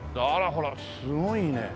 ほらすごいね。